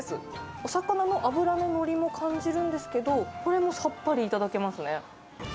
お魚の脂の乗りも感じるんですけど、これもさっぱりいただけますね。